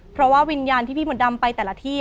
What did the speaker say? เพราะว่าวิญญาณที่พี่มดดำไปแต่ละที่